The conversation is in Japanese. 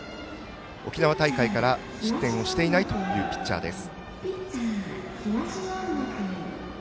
沖縄大会から失点をしていないというピッチャーです。